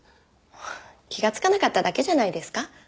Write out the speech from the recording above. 気がつかなかっただけじゃないですか？